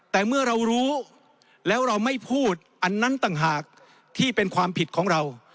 แต่เมื่อเรารู้แล้วเราไม่พูดอันนั้นต่างหากที่เป็นความผิดของเรา